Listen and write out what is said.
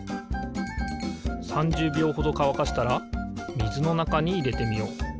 ３０びょうほどかわかしたらみずのなかにいれてみよう。